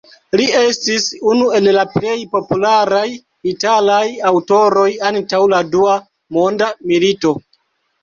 Li estis unu el la plej popularaj italaj aŭtoroj antaŭ la Dua Monda Milito.